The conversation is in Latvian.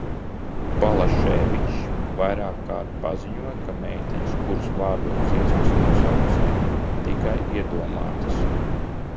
Balaševičs vairākkārt paziņoja, ka meitenes, kuru vārdos dziesmas nosauktas, ir tikai iedomātas.